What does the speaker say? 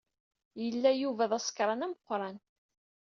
Yella Yuba d asekṛan ameqqran.